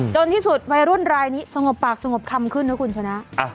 ที่สุดวัยรุ่นรายนี้สงบปากสงบคำขึ้นนะคุณชนะ